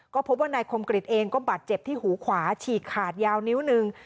ก็พบว่านายคมกริจเองก็บาดเจ็บที่หูขวาฉีกขาดยาวนิ้วหนึ่ง